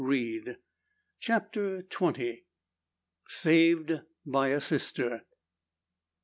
CHAPTER TWENTY. SAVED BY A SISTER.